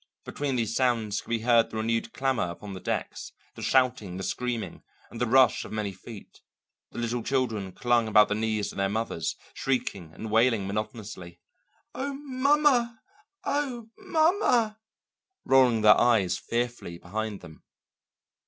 Between these sounds could be heard the renewed clamour upon the decks, the shouting, the screaming, and the rush of many feet; the little children clung about the knees of their mothers, shrieking and wailing monotonously, "Oh, ma_ma_ oh, ma_ma_!" rolling their eyes fearfully behind them.